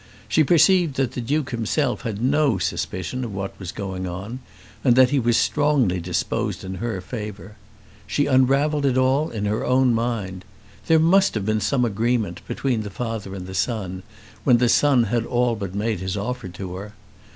She perceived that the Duke himself had no suspicion of what was going on, and that he was strongly disposed in her favour. She unravelled it all in her own mind. There must have been some agreement, between the father and the son, when the son had all but made his offer to her.